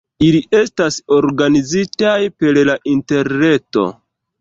Ili estas organizitaj per la interreto.